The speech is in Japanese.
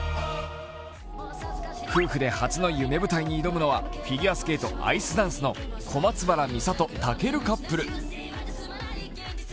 夫婦で初の夢舞台に挑むのは、フィギュアスケートアイスダンスの小松原美里・尊カップル。